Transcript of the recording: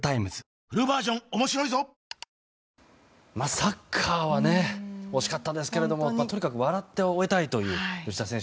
サッカーは惜しかったですけれどもとにかく笑って終えたいと吉田選手